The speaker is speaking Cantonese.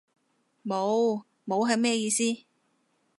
冇？冇係咩意思？